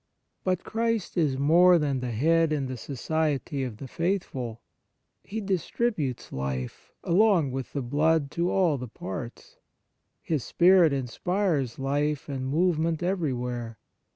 But Christ is more than the head in the society of the faithful. He distributes life, along with the blood, to all the parts. His Spirit inspires life and movement everywhere.